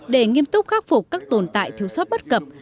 để nghiêm túc khắc phục các tồn tại thiếu sót bất cập